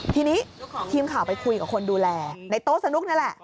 ทีนี้ทีมข่าวไปคุยกับคนดูแลในโต๊ะสนุกนั่นแหละ